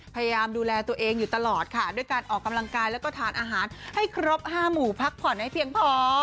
พยายามดูแลตัวเองอยู่ตลอดค่ะด้วยการออกกำลังกายแล้วก็ทานอาหารให้ครบ๕หมู่พักผ่อนให้เพียงพอ